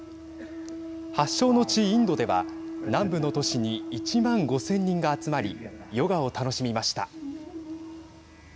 発祥の地、インドでは南部の都市に１万５０００人が集まりヨガを楽しみました。